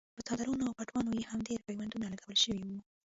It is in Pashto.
په څادرونو او پټوانو یې هم ډېر پیوندونه لګول شوي وو.